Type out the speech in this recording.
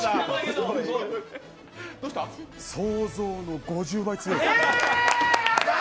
想像の５０倍強い。